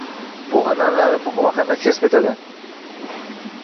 Bu an’analari muhim ahamiyat kasb etadi.